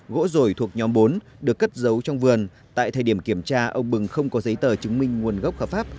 gỗ rổi thuộc nhóm bốn được cất giấu trong vườn tại thời điểm kiểm tra ông bừng không có giấy tờ chứng minh nguồn gốc hợp pháp